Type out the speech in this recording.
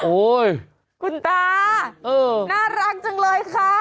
โอ๊ยคุณตาน่ารักจังเลยค่ะ